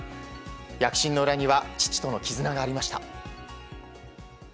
躍進の裏には父との絆がありました。